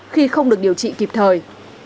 khi không được điều trị kịp thời